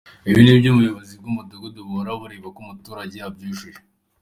Ibi nibyo ubuyobozi bw’umudugudu buhora bureba ko umuturage abyujuje.